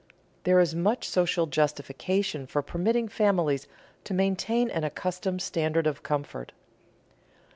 There is much social justification for permitting families to maintain an accustomed standard of comfort.